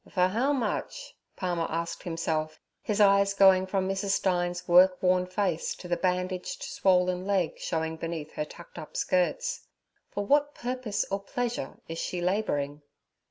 'For how much?' Palmer asked himself, his eyes going from Mrs. Stein's work worn face to the bandaged, swollen leg showing beneath her tucked up skirts; 'for what purpose or pleasure is she labouring?'